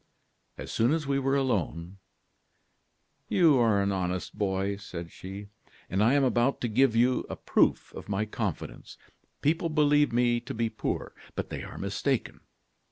"As soon as we were alone: "'You are an honest boy,', said she, 'and I am about to give you a proof of my confidence. People believe me to be poor, but they are mistaken.